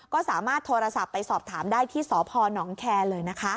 ก็สามารถโทรศัพท์ไปสอบถามได้ที่สพนแคร์เลยนะคะ